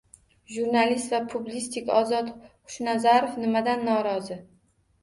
Jurnalist va publitsist Ozod Xushnazarov nimadan norozi?